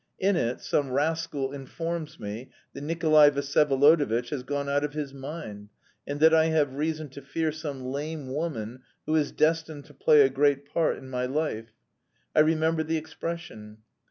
In it some rascal informs me that Nikolay Vsyevolodovitch has gone out of his mind, and that I have reason to fear some lame woman, who 'is destined to play a great part in my life.' I remember the expression.